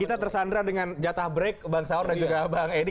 kita tersandra dengan jatah break bang saur dan juga bang edi